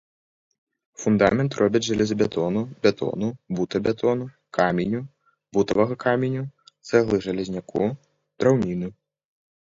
Фундамент робяць з жалезабетону, бетону, бута-бетону, каменю, бутавага каменю, цэглы-жалезняку, драўніны.